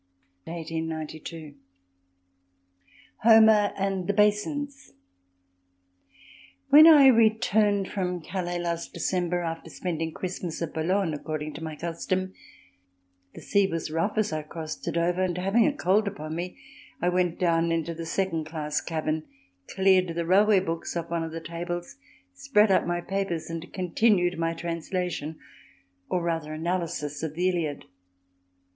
[1892.] Homer and the Basins When I returned from Calais last December, after spending Christmas at Boulogne according to my custom, the sea was rough as I crossed to Dover and, having a cold upon me, I went down into the second class cabin, cleared the railway books off one of the tables, spread out my papers and continued my translation, or rather analysis, of the Iliad.